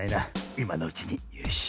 いまのうちによし。